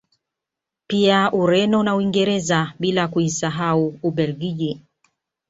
Pia Ureno na Uingereza bila kuisahau Ubelgiji